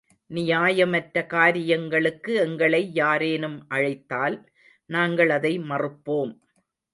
நியாயமற்ற காரியங்களுக்கு எங்களை யாரேனும் அழைத்தால் நாங்கள் அதை மறுப்போம்.